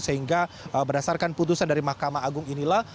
sehingga berdasarkan putusan dari mahkamah agung inilah